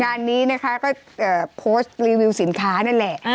งานนี้ก็พนักบัตรพบรีวิวสินค้านั่นแหละ